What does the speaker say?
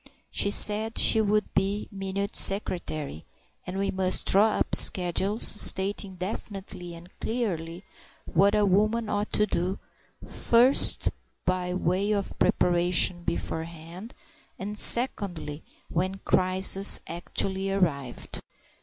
She said she would be Minute Secretary, and we must draw up schedules stating definitely and clearly what a woman ought to do, first by way of preparation beforehand, and secondly when the crisis actually arrived.